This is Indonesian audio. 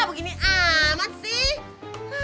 begini amat sih